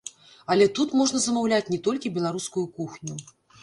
Але тут можна замаўляць не толькі беларускую кухню.